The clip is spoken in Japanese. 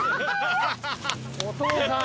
お父さん。